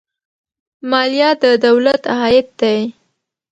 مالیه د دولت عاید دی